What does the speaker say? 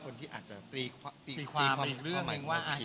คนที่อาจจะตีความความคิดไป